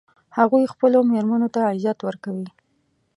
هغوی خپلو میرمنو ته عزت ورکوي